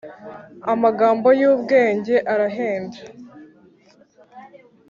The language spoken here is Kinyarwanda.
amagambo yubwenge arahenda